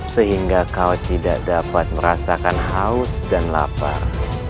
sehingga kau tidak dapat merasakan haus dan lapar